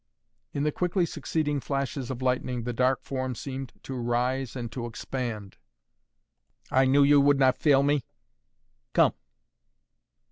In the quickly succeeding flashes of lightning the dark form seemed to rise and to expand. "I knew you would not fail me! Come!"